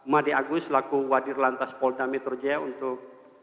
mady agus laku wadirlantas polda metro jaya untuk